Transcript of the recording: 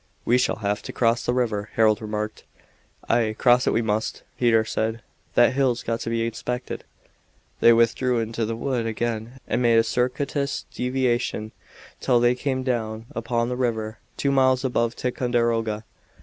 "We shall have to cross the river," Harold remarked. "Ay, cross it we must," Peter said. "That hill's got to be inspected." They withdrew into the wood again and made a circuitous deviation till they came down upon the river, two miles above Ticonderoga.